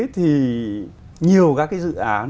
thì nhiều các cái dự án